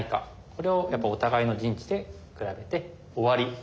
これをやっぱりお互いの陣地で比べて終わり？